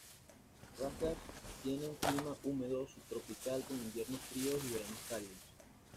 Razgrad tienes un clima húmedo subtropical con inviernos fríos y veranos cálidos.